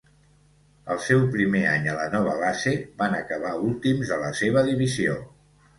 El seu primer any a la nova base, van acabar últims de la seva divisió.